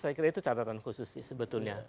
saya kira itu catatan khusus sih sebetulnya